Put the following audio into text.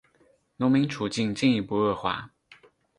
农民处境进一步恶化。